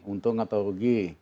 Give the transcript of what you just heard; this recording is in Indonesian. untung atau rugi